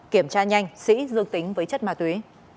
kiểm tra nhanh sĩ dương tính với chất ma túy